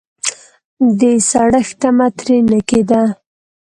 د سړښت تمه ترې نه کېده.